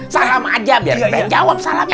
salam aja biar pengen jawab salamnya